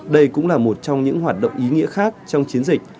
đây cũng là một trong những hoạt động ý nghĩa khác trong chiến dịch